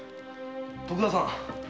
徳田さん